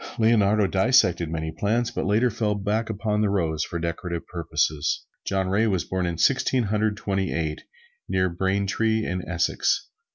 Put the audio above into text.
Leonardo dissected many plants, but later fell back upon the rose for decorative purposes. John Ray was born in Sixteen Hundred Twenty eight near Braintree in Essex.